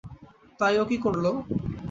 তাই ও কী করলো?